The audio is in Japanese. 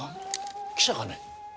記者かね？